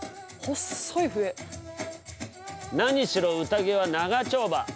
何しろ宴は長丁場。